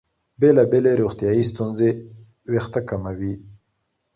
بېلابېلې روغتیايي ستونزې وېښتې کموي.